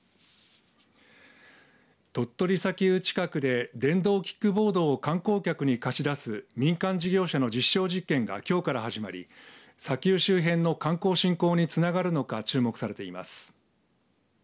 鳥取砂丘近くで電動キックボードを観光客に貸し出す民間事業者の実証実験がきょうから始まり砂丘周辺の観光振興につながるのか注目されています。